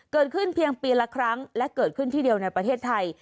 เกิดขึ้นเพียงปีละครั้งและเกิดขึ้นที่เดียวในประเทศไทย